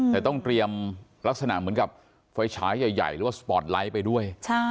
แต่ต้องเตรียมลักษณะเหมือนกับไฟฉายใหญ่หรือว่าสปอร์ตไลท์ไปด้วย